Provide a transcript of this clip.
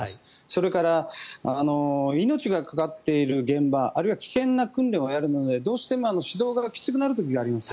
それから、命がかかっている現場あるいは危険な訓練をやるのでどうしても指導がきつくなる時があります。